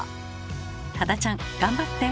多田ちゃん頑張って！